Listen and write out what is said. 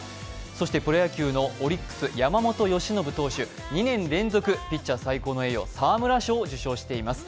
そしてプロ野球のオリックス・山本由伸投手２年連続、ピッチャー最高の栄誉沢村賞を受賞しています。